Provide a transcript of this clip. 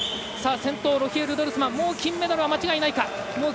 先頭、ロヒエル・ドルスマン金メダルは間違いないか。